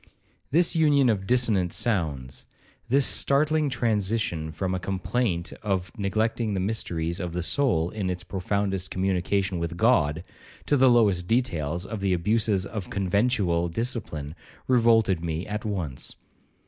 This union of dissonant sounds,—this startling transition from a complaint of neglecting the mysteries of the soul in its profoundest communion with God, to the lowest details of the abuses of conventual discipline, revolted me at once.